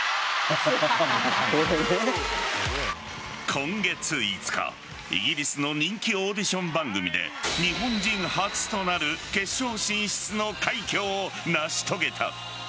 今月５日、イギリスの人気オーディション番組で日本人初となる決勝進出の快挙を成し遂げた。